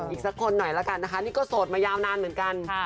อีกสักคนหน่อยละกันนะคะนี่ก็โสดมายาวนานเหมือนกัน